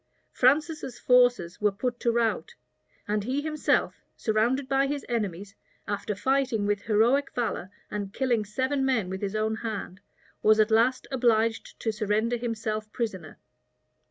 Francis's forces were put to rout; and he himself, surrounded by his enemies, after fighting with heroic valor, and killing seven men with his own hand, was at last obliged to surrender himself prisoner.